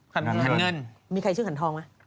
เขามีใครชื่อขันทองมะ